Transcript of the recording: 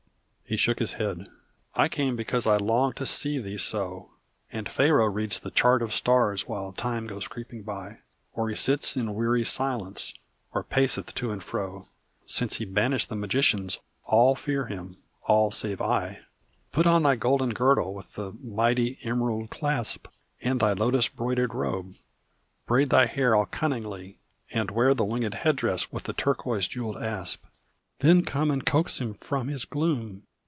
He shook his head. "I came because I longed to see thee so; And Pharaoh reads the chart of stars while time goes creeping by, Or he sits in weary silence or paceth to and fro. Since he banished the magicians, all fear him all save I. "Put on thy golden girdle with the mighty emerald clasp And thy lotus broidered robe. Braid thy hair all cunningly, And wear the winged head dress with the turquois jewelled asp Then come and coax him from his gloom.